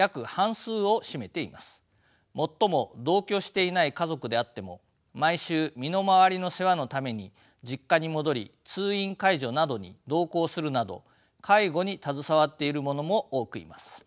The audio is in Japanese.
もっとも同居していない家族であっても毎週身の回りの世話のために実家に戻り通院介助などに同行するなど介護に携わっている者も多くいます。